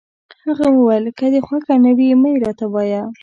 هغه وویل: که دي خوښه نه وي، مه يې راته وایه.